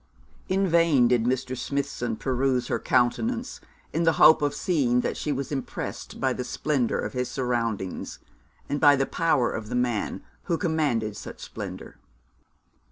In vain did Mr. Smithson peruse her countenance in the hope of seeing that she was impressed by the splendour of his surroundings, and by the power of the man who commanded such splendour.